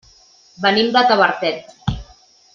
Venim de Tavertet.